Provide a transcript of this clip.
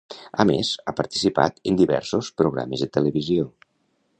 A més, ha participat en diversos programes de televisió.